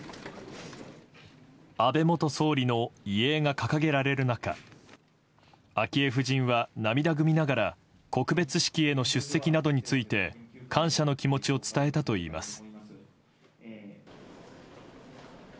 安倍元総理の遺影が掲げられる中昭恵夫人は涙ぐみながら告別式への出席などについて感謝の気持ちを伝えたといいます。